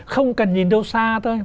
không cần nhìn đâu xa thôi